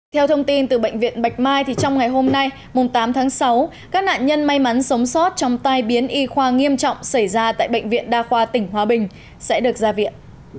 theo thông tin từ bệnh viện bạch mai trong ngày hôm nay tám tháng sáu các nạn nhân may mắn sống sót trong tai biến y khoa nghiêm trọng xảy ra tại bệnh viện đa khoa tỉnh hòa bình sẽ được ra viện